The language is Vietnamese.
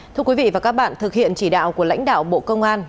thưa quý vị và các bạn thực hiện chỉ đạo của lãnh đạo bộ công an